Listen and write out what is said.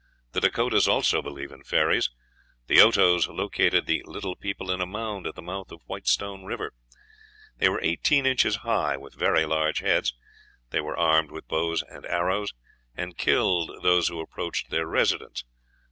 The Dakotas also believe in fairies. The Otoes located the "little people" in a mound at the mouth of Whitestone River; they were eighteen inches high, with very large heads; they were armed with bows and arrows, and killed those who approached their residence.